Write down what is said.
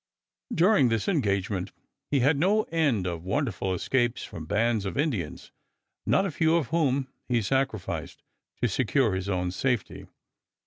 During this engagement he had no end of wonderful escapes from bands of Indians, not a few of whom he sacrificed to secure his own safety.